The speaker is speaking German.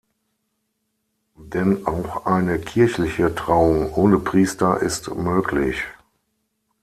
Denn auch eine kirchliche Trauung ohne Priester ist möglich.